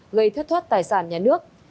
gây thất thoát tài sản nhà nước